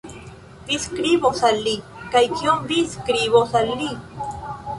Vi skribos al li! Kaj kion vi skribos al li?